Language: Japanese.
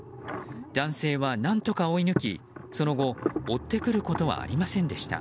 男性は何とか追い抜き、その後追ってくることはありませんでした。